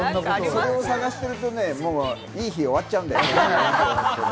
探してるとね、良い日、終わっちゃうんだよね。